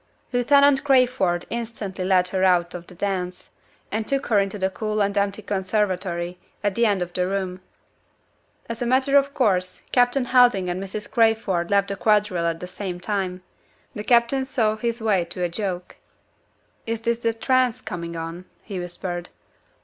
Lieutenant Crayford instantly led her out of the dance, and took her into the cool and empty conservatory, at the end of the room. As a matter of course, Captain Helding and Mrs. Crayford left the quadrille at the same time. The captain saw his way to a joke. "Is this the trance coming on?" he whispered.